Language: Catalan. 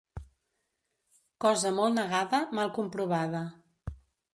Cosa molt negada, mal comprovada.